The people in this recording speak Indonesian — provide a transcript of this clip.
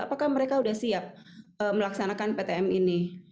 apakah mereka sudah siap melaksanakan ptm ini